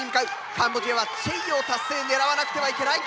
カンボジアはチェイヨー達成狙わなくてはいけない！